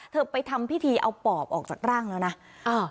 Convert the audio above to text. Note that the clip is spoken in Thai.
ไปทำพิธีเอาปอบออกจากร่างแล้วนะ